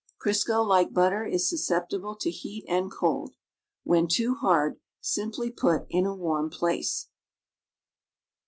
Crisco, like butter, is susceptible to heat and cold. When tool hard, simply put in a warm place.